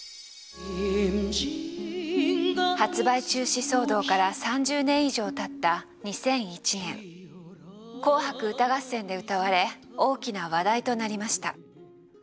発売中止騒動から３０年以上たった２００１年紅白歌合戦で歌われ大きな話題となりました。